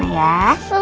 aku pengen papa